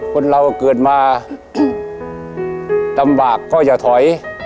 คนเราเกิดมาลำบากก็อย่าถอย